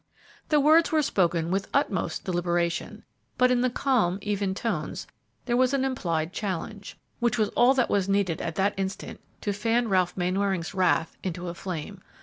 The words were spoken with the utmost deliberation, but in the calm, even tones there was an implied challenge, which was all that was needed at that instant to fan Ralph Mainwaring's wrath into a flame.